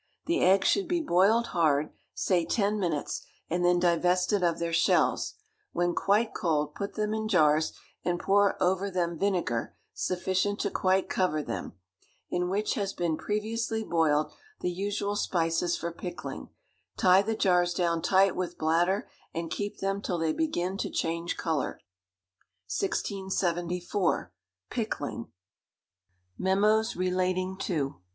The eggs should be boiled hard (say ten minutes), and then divested of their shells; when quite cold put them in jars, and pour over them vinegar (sufficient to quite cover them), in which has been previously boiled the usual spices for pickling; tie the jars down tight with bladder, and keep them till they begin to change colour. 1674. Pickling, Mems. relating to.